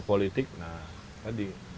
politik nah tadi